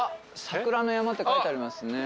「さくらの山」って書いてありますね。